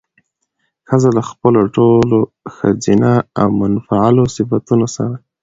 ښځه له خپلو ټولو ښځينه او منفعلو صفتونو سره